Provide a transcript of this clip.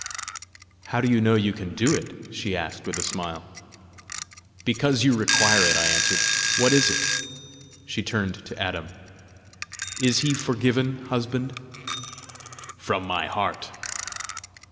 "How do you know you can do it?" she asked with a smile. "Because you require it," I answered. "What is it?" She turned to Adam: "Is he forgiven, husband?" "From my heart."